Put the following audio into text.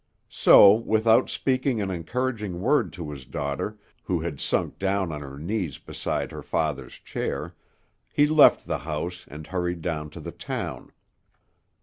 So, without speaking an encouraging word to his daughter, who had sunk down on her knees beside her father's chair, he left the house and hurried down to the town.